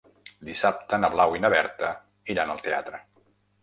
Dissabte na Blau i na Berta iran al teatre.